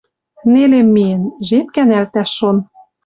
Нелем миэн. Жеп кӓнӓлтӓш шон.